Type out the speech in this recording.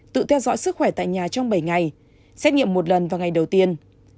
tự theo dõi sức khỏe tại nhà trong bảy ngày xét nghiệm một lần vào ngày đầu tiên